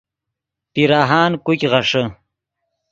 پیراہان کوګ غیݰے